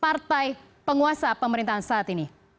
partai penguasa pemerintahan saat ini